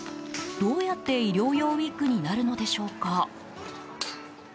どうやって医療用ウィッグになるのでしょうか。